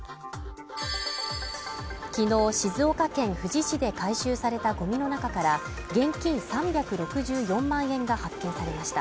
昨日静岡県富士市で回収されたゴミの中から現金３６４万円が発見されました